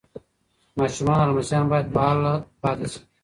ماشومان او لمسیان باید فعاله پاتې شي.